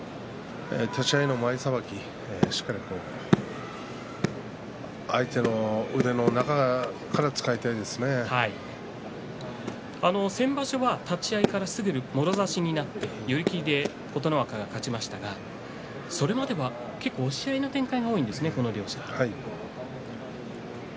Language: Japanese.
立ち合いの前さばきしっかり相手の先場所は立ち合いからすぐにもろ差しになって寄り切りで琴ノ若が勝ちましたがそれまでは結構押し合いの展開が多いんですね、この両者は。